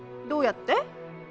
どうやって？